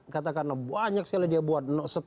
katakanlah banyak sekali dia buat